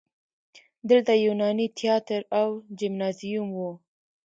دلته یوناني تیاتر او جیمنازیوم و